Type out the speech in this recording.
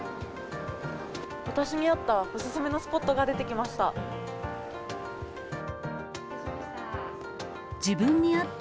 私に合ったお勧めのスポットが出てきました。